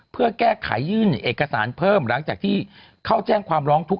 เพื่อแก้ไขยื่นเอกสารเพิ่มหลังจากที่เข้าแจ้งความร้องทุกข